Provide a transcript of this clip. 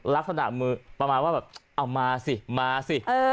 ลักษณะมือประมาณว่าแบบเอามาสิมาสิ